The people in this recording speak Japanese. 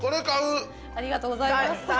◆ありがとうございます。